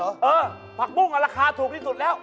เออผักบุ้งราคาถูกที่สุดแล้ว